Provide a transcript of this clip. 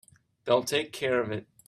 They'll take care of it.